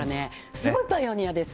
すごいパイオニアです。